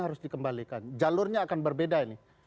harus dikembalikan jalurnya akan berbeda ini